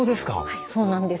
はいそうなんです。